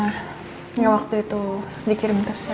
yang waktu itu dikirim ke sel